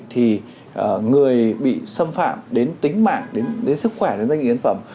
thì người bị xâm phạm đến tính mạng đến sức khỏe đến danh dự nhân phẩm